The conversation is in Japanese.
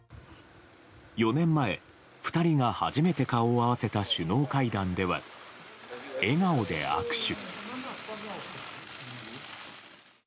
４年前、２人が初めて顔を合わせた首脳会談では、笑顔で握手。